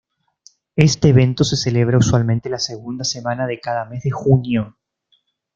Este evento se celebra usualmente la segunda semana de cada mes de junio.